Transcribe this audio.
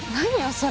それ。